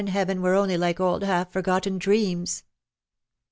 Heaven were only like old half forgotten dreams.